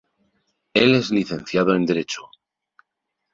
Él es Licenciado en Derecho.